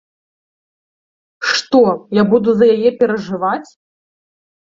Што, я буду за яе перажываць?